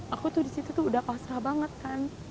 aku tuh disitu tuh udah pasrah banget kan